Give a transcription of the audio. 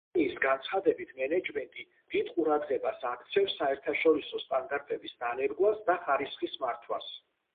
კომპანიის განცხადებით, მენეჯმენტი დიდ ყურადღებას აქცევს საერთაშორისო სტანდარტების დანერგვას და ხარისხის მართვას.